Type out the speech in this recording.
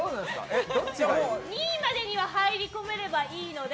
２位までには入り込めればいいので。